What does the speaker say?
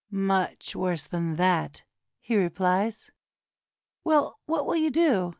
"Much worse than that," he replies. "Well, what will you do?